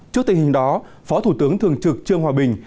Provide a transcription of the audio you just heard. trước tình hình đó phó thủ tướng thường trực trương hòa bình